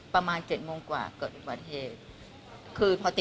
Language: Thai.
ประมาณเจ็ดโมงกว่าเกิดบัตรเหตุ